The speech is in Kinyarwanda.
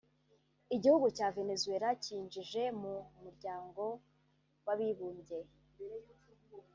Igihugu cya Venezuela cyinjije mu muryango w’abibumbye